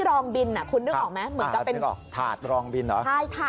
จริงสองคนนี้เขามาที่ร้านนี้บ่อยนะ